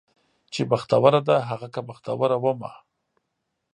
چې بختوره ده هغه که بختوره ومه